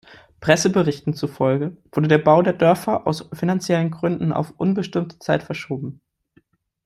Presseberichten zufolge wurde der Bau der Dörfer aus finanziellen Gründen auf unbestimmte Zeit verschoben.